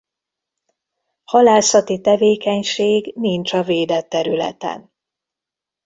Halászati tevékenység nincs a védett területen.